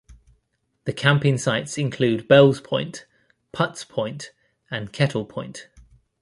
The camping sites include Bells Point, Putts Point and Kettle Point.